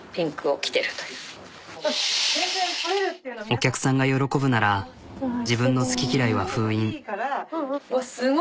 お客さんが喜ぶなら自分の好き嫌いは封印。